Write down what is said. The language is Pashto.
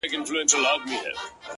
• بس یو نوبت وو درته مي تېر کړ ,